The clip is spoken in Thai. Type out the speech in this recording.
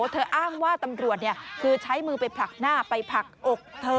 อ้างว่าตำรวจคือใช้มือไปผลักหน้าไปผลักอกเธอ